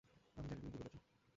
আমি জানি তুমি কি বলছো।